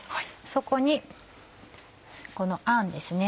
そこにこのあんですね。